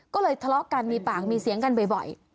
ก็เลยทะเลาะกันมีปากมีเสียงกันบ่อย